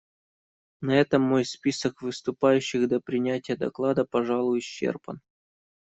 На этом мой список выступающих до принятия доклада, пожалуй, исчерпан.